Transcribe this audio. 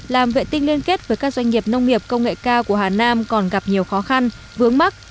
làm vệ tinh liên kết với các doanh nghiệp nông nghiệp công nghệ cao của hà nam còn gặp nhiều khó khăn vướng mắt